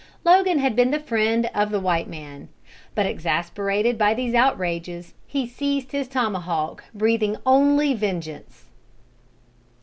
Logan had been the friend of the white man. But exasperated by these outrages, he seized his tomahawk breathing only vengeance.